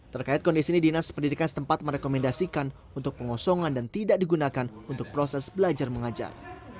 terkait kondisi ini dinas pendidikan setempat merekomendasikan untuk pengosongan dan tidak digunakan untuk proses belajar mengajar